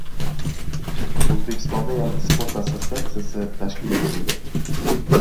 O‘zbekistonda yangi sport assosiasiyasi tashkil etildi